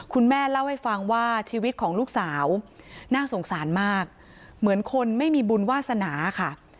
คุณแม่เล่าให้ฟังว่าชีวิตของลูกสาวน่าสงสารมากเหมือนคนไม่มีบุญวาสนาค่ะ